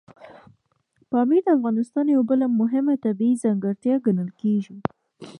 پامیر د افغانستان یوه بله مهمه طبیعي ځانګړتیا ګڼل کېږي.